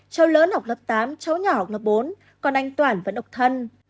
cháu lớn học lớp tám cháu nhỏ học lớp bốn còn anh toàn vẫn ốc thân